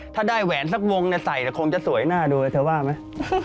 ถ้าได้แหวนสักวงใส่คงจะสวยน่าดูเลยเธอว่าไหม